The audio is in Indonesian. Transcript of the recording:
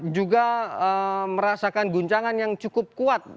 juga merasakan guncangan yang cukup kuat